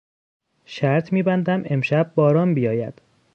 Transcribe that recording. شرط میبندم امشب باران بیاید.